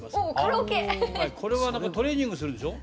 これはなんかトレーニングするんでしょ？